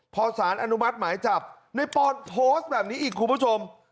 พอสารอนุมัติหมายจับในปอนโพสต์แบบนี้อีกคุณผู้ชม